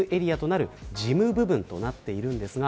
そして、側近の事務エリアとなる事務部分となっています。